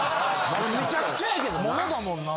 めちゃくちゃやけどな。